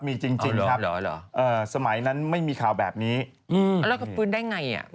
มีจริงครับสมัยนั้นไม่มีข่าวแบบนี้แล้วเราก็ฟื้นได้ไงอ่ะ